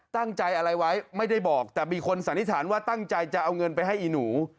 ตั้งใจอะไรไว้ไม่ได้บอกแต่มีคนสันนิษฐานว่าตั้งใจจะเอาเงินไปให้อีหนู